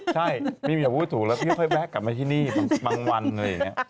ใช่พี่เหมียวพูดถูกแล้วพี่ค่อยแวะกลับมาที่นี่บางวันอะไรอย่างนี้